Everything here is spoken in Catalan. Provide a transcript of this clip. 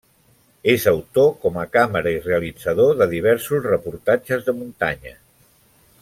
És autor, com a càmera i realitzador, de diversos reportatges de muntanya.